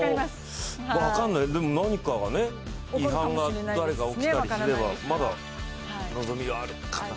でも、何かが違反が誰か起きたりすればまだ、望みがあるかな？